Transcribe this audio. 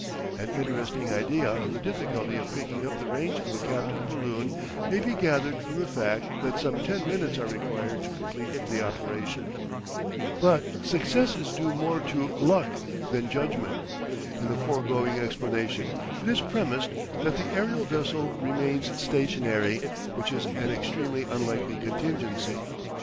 An interesting idea of the difficulty of picking up the range of a captive balloon may be gathered from the fact that some ten minutes are required to complete the operation. But success is due more to luck than judgment. In the foregoing explanation it is premised that the aerial vessel remains stationary, which is an extremely unlikely contingency.